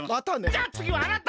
じゃあつぎはあなた！